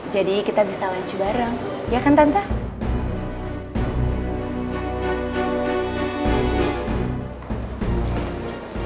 jadi kita bisa lanjut bareng ya kan tante